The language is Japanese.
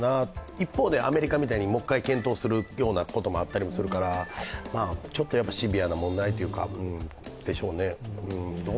一方でアメリカみたいにもう一回検討するようなこともあるからちょっとシビアな問題でしょうね。